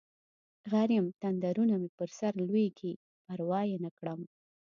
غر یم تندرونه مې په سرلویږي پروا یې نکړم